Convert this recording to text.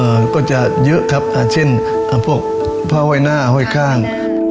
ก็จะเยอะครับอ่าเช่นอ่าพวกผ้าห้อยหน้าห้อยข้าง